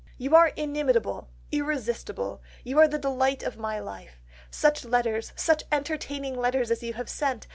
"You are inimitable, irresistible. You are the delight of my life. Such letters, such entertaining letters as you have lately sent!